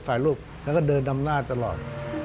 ถ่ายรูปแล้วก็เดินดำหน้าตลอด